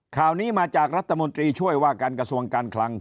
ข่าวนี้มาจากรัฐมนตรีช่วยว่าการกระทรวงการคลัง